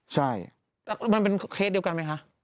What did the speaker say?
ใช่แล้วมันเป็นเคสเดียวกันไหมคะ